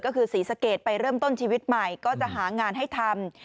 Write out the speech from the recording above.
ก็คือศรีสะเกดไปเริ่มต้นชีวิตใหม่ก็จะหางานให้ทำ